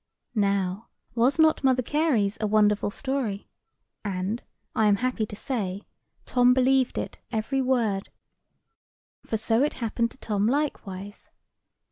Now, was not Mother Carey's a wonderful story? And, I am happy to say, Tom believed it every word. [Picture: Old Mother Shipton] For so it happened to Tom likewise.